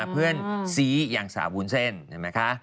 เพื่อนซีอย่างสาววุ้นเส้นเห็นไหมคะ